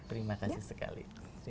terima kasih sekali